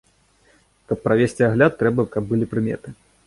Каб правесці агляд, трэба, каб былі прыметы.